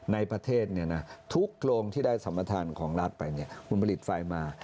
ในประเทศทุกโรงที่ได้สัมประธานของรัฐไปคุณผลิตไฟมา